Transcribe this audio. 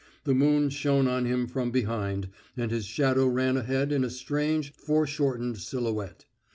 The moon shone on him from behind, and his shadow ran ahead in a strange foreshortened silhouette.